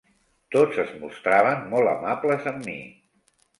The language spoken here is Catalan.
Tots es mostraven molt amables amb mi